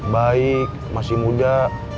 baik masih muda